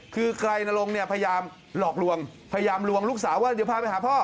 คือไกรนรงค์เนี่ยพยายามหลอกลวงพยายามลวงลูกสาวว่าเดี๋ยวพาไปหาพ่อ